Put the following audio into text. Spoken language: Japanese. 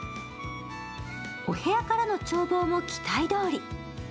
お部屋からの眺望も期待どおり。